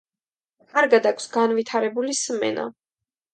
კარგად აქვს განვითარებული სმენა.